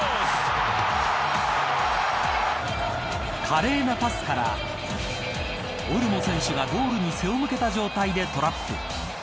華麗なパスからオルモ選手がゴールに背を向けた状態でトラップ。